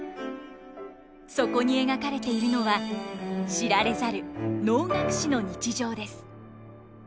そこに描かれているのは知られざる能楽師の日常です。